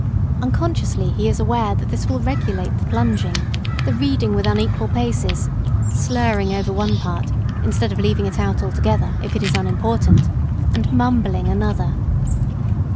" Unconsciously he is aware that this will regulate the plunging, the reading with unequal paces, slurring over one part, instead of leaving it out altogether, if it is unimportant, and mumbling another.